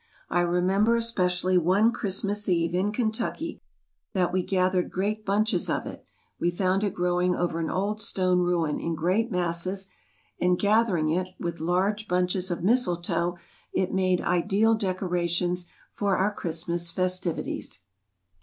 I remember especially one Christmas eve, in Kentucky, that we gathered great bunches of it; we found it growing over an old stone ruin in great masses and gathering it, with large bunches of mistletoe, it made ideal decorations for our Christmas festivities.